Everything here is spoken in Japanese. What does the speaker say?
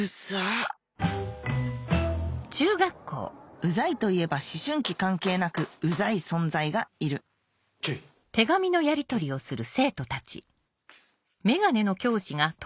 ウザいといえば思春期関係なくウザい存在がいるちょいちょい。